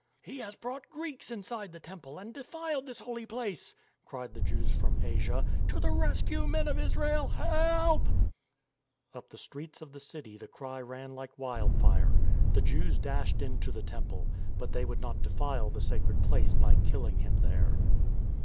" He has brought Greeks inside the temple and de 292 STORM AND STRESS filed this holy Place," cried the Jews from Asia. " To the rescue, Men of Israel. Help !" Up the streets of the city the cry ran like wild fire. The Jews dashed into the Temple. But they would not defile the sacred place by killing him there.